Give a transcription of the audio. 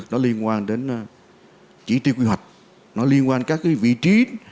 nó liên quan đến chỉ tiêu quy hoạch nó liên quan các vị trí